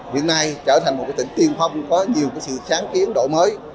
hiện nay trở thành một tỉnh tiên phong có nhiều sự sáng kiến đổi mới